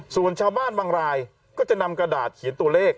ส่วนชาวบ้านบางรายก็จะนำกระดาษเขียนตัวเลข